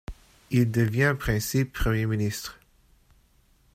Il devient en principe Premier ministre.